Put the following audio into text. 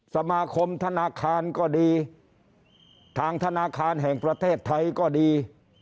สมาคมธนาคารก็ดีทางธนาคารแห่งประเทศไทยก็ดี